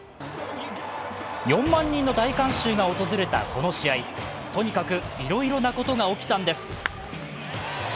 ４万人の大観衆が訪れたこの試合、とにかくいろいろなことが起きたんです。